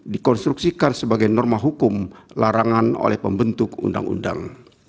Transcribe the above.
dikonstruksikan sebagai norma hukum larangan oleh pembentuk undang undang